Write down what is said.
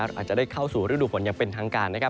อาจจะได้เข้าสู่ฤดูฝนอย่างเป็นทางการนะครับ